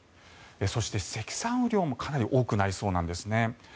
そして、積算雨量もかなり多くなりそうなんです。